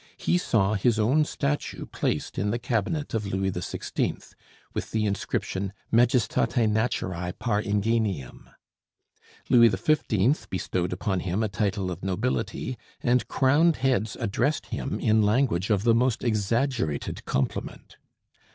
He saw his own statue placed in the cabinet of Louis XVI., with the inscription "Majestati Naturæ par ingenium." Louis XV. bestowed upon him a title of nobility, and crowned heads "addressed him in language of the most exaggerated compliment."